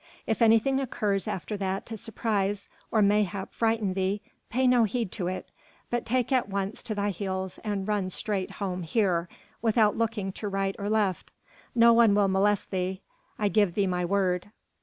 If anything occurs after that to surprise or mayhap frighten thee, pay no heed to it, but take at once to thy heels and run straight home here, without looking to right or left. No one will molest thee, I give thee my word."